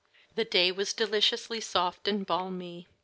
The day was deliciously soft and balmy.